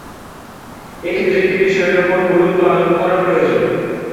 এক্ষেত্রে একটি বিষয়ের ওপর গুরুত্ব আরোপ করা প্রয়োজন।